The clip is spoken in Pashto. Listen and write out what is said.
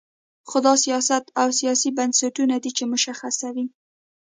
خو دا سیاست او سیاسي بنسټونه دي چې مشخصوي.